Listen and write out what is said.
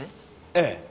ええ。